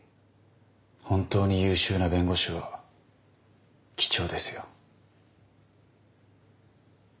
本当に優秀な弁護士は貴重ですよ。